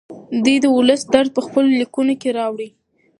دی د ولس درد په خپلو لیکنو کې راوړي.